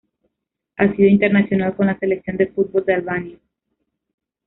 Ha sido internacional con la Selección de fútbol de Albania.